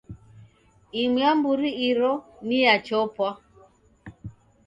Imu ya mburi iro ni ya chopwa.